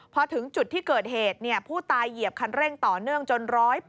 พอถึงจุดที่เกิดเหตุผู้ตายเหยียบคันเร่งต่อเนื่องจน๑๘